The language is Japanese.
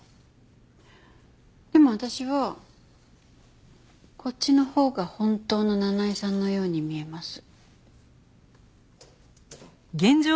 でも私はこっちのほうが本当の七井さんのように見えます。